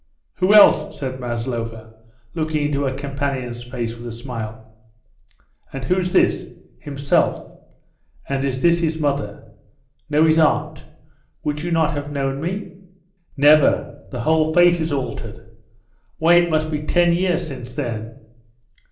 "Who else?" said Maslova, looking into her companion's face with a smile. "And who's this?" "Himself." "And is this his mother?" "No, his aunt. Would you not have known me?" "Never. The whole face is altered. Why, it must be 10 years since then."